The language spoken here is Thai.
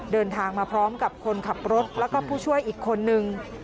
เดินทางมาพร้อมกับคนขับรถแล้วก็ผู้ช่วยอีกคนนึง